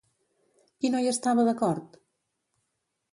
Qui no hi estava d'acord?